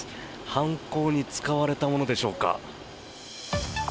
犯行に使われたものでしょうか。